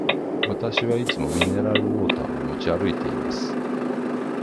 私はいつもミネラルウォーターを持ち歩いています。